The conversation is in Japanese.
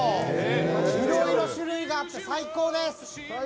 いろいろ種類があって最高です！